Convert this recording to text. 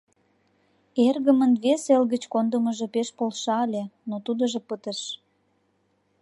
Эргымын вес эл гыч кондымыжо пеш полша ыле, но тудыжо пытыш.